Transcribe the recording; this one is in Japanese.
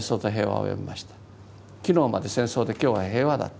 昨日まで戦争で今日は平和だ。